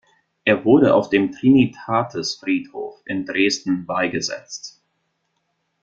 Er wurde auf dem Trinitatis-Friedhof in Dresden beigesetzt.